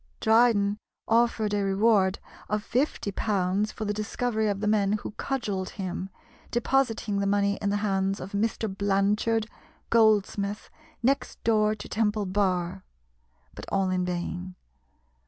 Dryden offered a reward of fifty pounds for the discovery of the men who cudgelled him, depositing the money in the hands of "Mr. Blanchard, goldsmith, next door to Temple Bar," but all in vain.